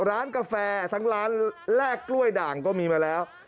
ร้านกาแฟทั้งร้านแลกกล้วยด่างก็มีมาแล้ว